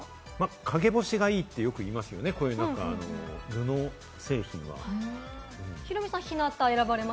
陰干しがいいってよく言いますよね、布製品は。